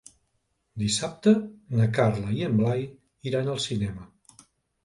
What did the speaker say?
Dissabte na Carla i en Blai iran al cinema.